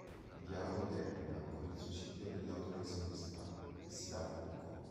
Il dialogo termina con il suicidio dell'autolesionista, che si dà fuoco.